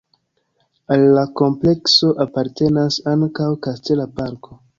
Al la komplekso apartenas ankaŭ kastela parko.